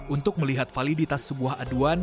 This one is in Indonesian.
untuk melihat validitas sebuah aduan